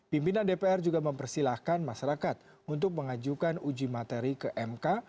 pimpinan dpr juga mempersilahkan masyarakat untuk mengajukan uji materi ke mk